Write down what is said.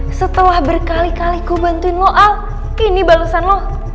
hah setelah berkali kali gue bantuin lo al ini balesan lo